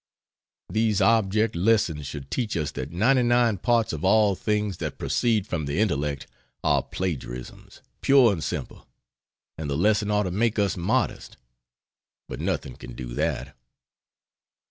These object lessons should teach us that ninety nine parts of all things that proceed from the intellect are plagiarisms, pure and simple; and the lesson ought to make us modest. But nothing can do that.